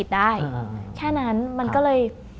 ได้แค่นั้นมันก็เลย